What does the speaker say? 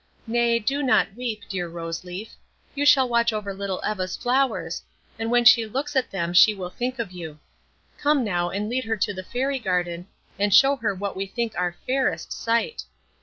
Nay, do not weep, dear Rose Leaf; you shall watch over little Eva's flowers, and when she looks at them she will think of you. Come now and lead her to the Fairy garden, and show her what we think our fairest sight.